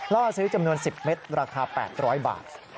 ล่อซื้อจำนวน๑๐เมตรราคา๘๐๐บาท